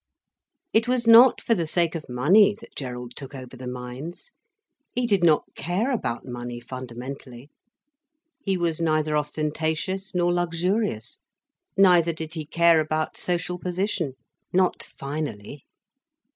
It was not for the sake of money that Gerald took over the mines. He did not care about money, fundamentally. He was neither ostentatious nor luxurious, neither did he care about social position, not finally.